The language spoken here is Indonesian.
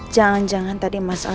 jangan jangan tadi mas aldi